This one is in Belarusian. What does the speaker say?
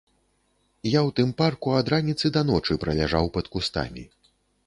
Я ў тым парку ад раніцы да ночы праляжаў пад кустамі.